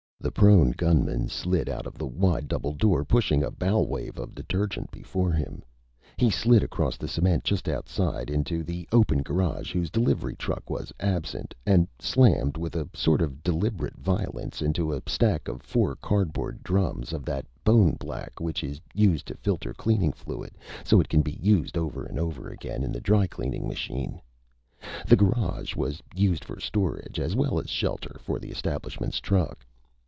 The prone gunman slid out of the wide double door, pushing a bow wave of detergent before him. He slid across the cement just outside, into the open garage whose delivery truck was absent, and slammed with a sort of deliberate violence into a stack of four cardboard drums of that bone black which is used to filter cleaning fluid so it can be used over again in the dry cleaning machine. The garage was used for storage as well as shelter for the establishment's truck.